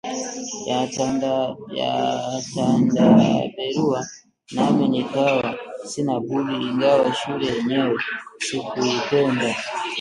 ya Tandabelua nami nikawa sina budi ingawa shule yenyewe sikuipenda